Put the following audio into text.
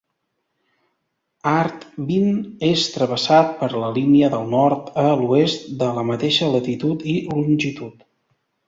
Artvin és travessat per la línia del nord a l'oest de la mateixa latitud i longitud.